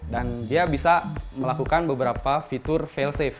dan dia bisa melakukan beberapa fitur failsafe